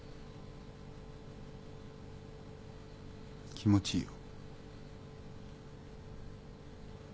気持ちいいよ。